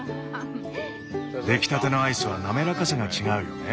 出来たてのアイスはなめらかさが違うよね。